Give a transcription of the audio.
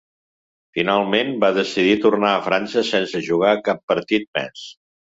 Finalment va decidir tornar a França sense jugar cap partit més.